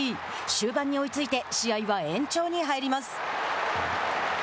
終盤に追いついて試合は延長に入ります。